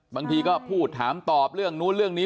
บางทีก็พูดถามตอบเรื่องนู้นเรื่องนี้